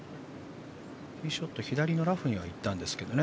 ティーショット左のラフには行ったんですがね。